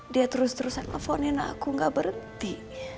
dia terus terusan nelfonin aku gak berhenti